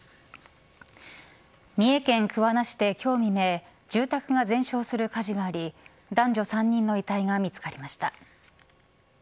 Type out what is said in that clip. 三重県桑名市で今日未明住宅が全焼する火事があり男女３人の遺体が見つかりました。